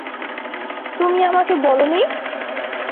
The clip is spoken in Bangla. তুমি আমাকে বলোনি!